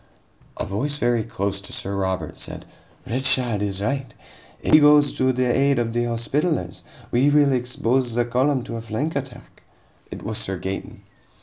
A voice very close to Sir Robert said: "Richard is right. If we go to the aid of the Hospitallers, we will expose the column to a flank attack." It was Sir Gaeton.